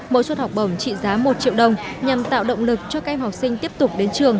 mỗi suất học bổng trị giá một triệu đồng nhằm tạo động lực cho các em học sinh tiếp tục đến trường